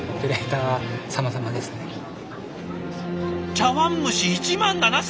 茶碗蒸し１万７，０００！